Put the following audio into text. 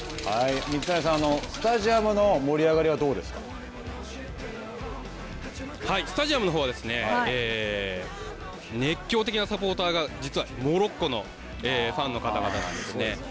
水谷さん、スタジアムの盛り上がりはスタジアムのほうは、熱狂的なサポーターが、実は、モロッコのファンの方々なんですね。